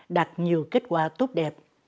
đạt nhiều kết quả tốt đẹp